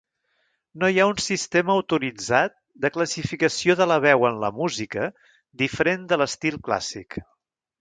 No hi ha un sistema autoritzat de classificació de la veu en la música diferent de l'estil clàssic.